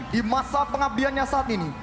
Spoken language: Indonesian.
di masa pengabdiannya saat ini